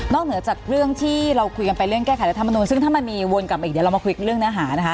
เหนือจากเรื่องที่เราคุยกันไปเรื่องแก้ไขรัฐมนุนซึ่งถ้ามันมีวนกลับมาอีกเดี๋ยวเรามาคุยเรื่องเนื้อหานะคะ